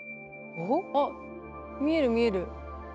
あっ見える見える。